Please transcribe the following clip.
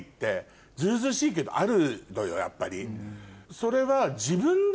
それは。